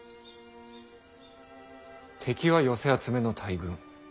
敵は寄せ集めの大軍。